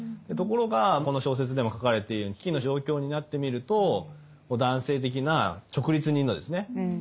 ところがこの小説でも書かれているように危機の状況になってみると男性的な直立人のですね